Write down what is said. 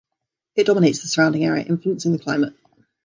It dominates the surrounding area, influencing the climate.